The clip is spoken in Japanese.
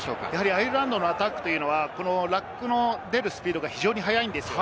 アイルランドのアタックはラックの出るスピードが非常に速いんです。